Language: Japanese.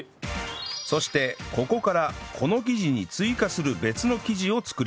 そしてここからこの生地に追加する別の生地を作ります